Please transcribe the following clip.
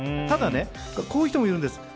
ただ、こういう人もいるんです。